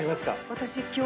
私今日。